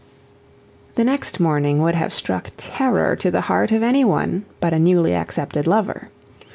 The next morning would have struck terror to the heart of any one but a newly accepted lover.